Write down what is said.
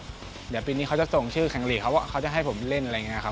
เดี๋ยวปีนี้เขาจะส่งชื่อแข่งหลีกเขาว่าเขาจะให้ผมเล่นอะไรอย่างนี้ครับ